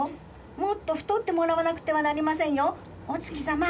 もっとふとってもらわなくてはなりませんよ、お月さま。